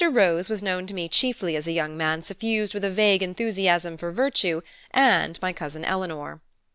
Rose was known to me chiefly as a young man suffused with a vague enthusiasm for Virtue and my cousin Eleanor.